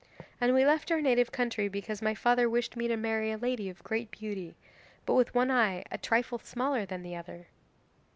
And we left our native country because my father wished me to marry a lady of great beauty, but with one eye a trifle smaller than the other."